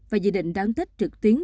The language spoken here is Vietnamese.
và dự định đón tết trực tuyến